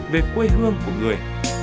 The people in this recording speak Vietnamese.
về quê hương của người